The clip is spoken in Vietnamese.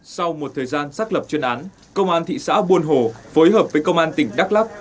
sau một thời gian xác lập chuyên án công an thị xã buôn hồ phối hợp với công an tỉnh đắk lắc